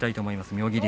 妙義龍。